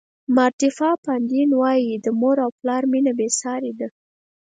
پاردیفا پاندین وایي د مور او پلار مینه بې سارې ده.